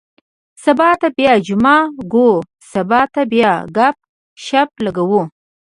سبا ته بیا جمعه کُو. سبا ته بیا ګپ- شپ لګوو.